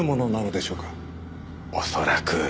恐らく。